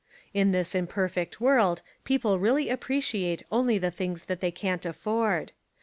In this imperfect world people really appreciate only the things that they can't afford.